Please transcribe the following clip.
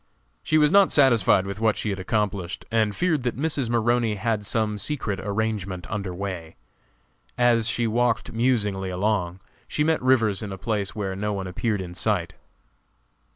She was not satisfied with what she had accomplished, and feared that Mrs. Maroney had some secret arrangement under way. As she walked musingly along, she met Rivers in a place where no one appeared in sight.